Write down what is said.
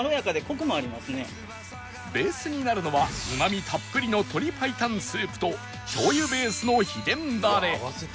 ベースになるのはうまみたっぷりの鶏白湯スープと醤油ベースの秘伝ダレ